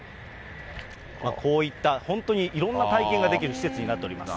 こういった本当にいろんな体験ができる施設になっております。